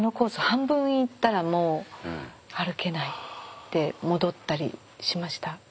半分行ったらもう歩けないで戻ったりしました。